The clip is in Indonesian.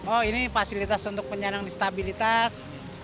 oh ini fasilitas untuk penyelenggaraan stabilitas